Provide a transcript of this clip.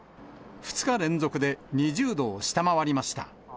２日連続で２０度を下回りました。